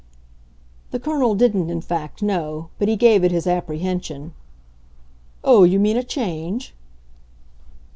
The Colonel didn't in fact know, but he gave it his apprehension. "Oh, you mean a change?"